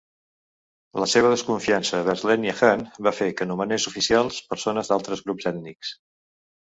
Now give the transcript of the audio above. La seva desconfiança vers l'ètnia Han va fer que nomenés oficials persones d'altres grups ètnics.